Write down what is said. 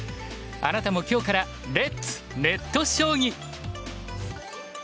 あなたも今日からレッツネット将棋！